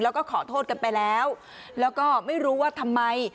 แล้วก็ขอโทษกันไปแล้วแล้วก็ไม่รู้ว่าทำไม